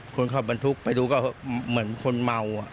คนเข้าบันทุกข์ไปดูก็เหมือนคนเมา